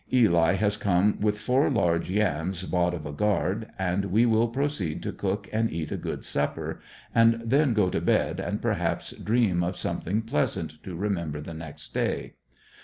Eli has come with four large yams bought of a guard and we will proceed to cook and eat a good supper, and then go to bed and perhaps dream of something pleasant to remember the next day.